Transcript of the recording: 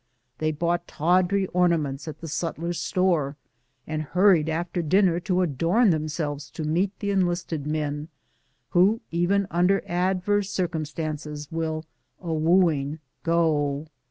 They bought tawdry ornaments at the sutler's store, and hurried after dinner to adorn themselves to meet the enlisted men, who even under adverse circumstances will " a wooing go."